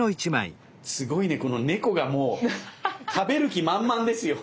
すごいねこの猫がもう食べる気満々ですよ。